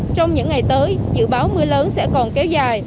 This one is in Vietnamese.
trong những ngày tới dự báo mưa lớn sẽ còn kéo dài